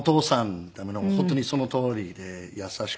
本当にそのとおりで優しくて。